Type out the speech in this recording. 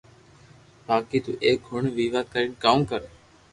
بائي تو ايڪ ھڻ ويوا ڪرين ڪاوُ ڪرو